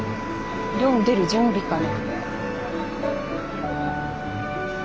漁に出る準備かな。